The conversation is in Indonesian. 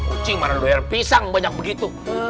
kucing mana doer pisang banyak begitu